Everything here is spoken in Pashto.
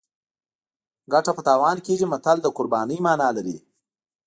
ګټه په تاوان کیږي متل د قربانۍ مانا لري